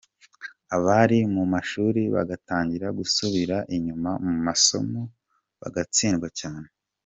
Abari mu mashuri bagatangira gusubira inyuma mu masomo bagatsindwa cyane.